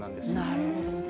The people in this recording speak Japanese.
なるほどね。